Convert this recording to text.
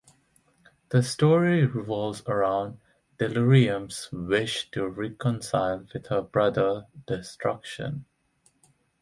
The story revolves around Delirium's wish to reconcile with her brother Destruction.